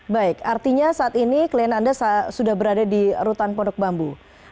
baik artinya saat ini klien anda sudah berada di rutan pondok bambu